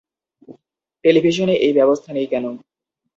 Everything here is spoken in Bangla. টেলিভিশনে এই ব্যবস্থা নেই কেন?